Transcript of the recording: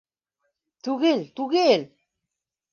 Түгел, түгел...